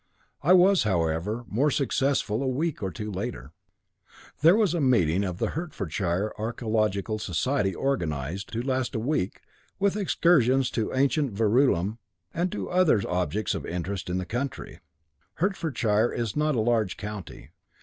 I was, however, more successful a week or two later. There was a meeting of the Hertfordshire Archæological Society organised, to last a week, with excursions to ancient Verulam and to other objects of interest in the county. Hertfordshire is not a large county.